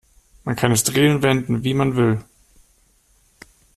Man kann es drehen und wenden, wie man will.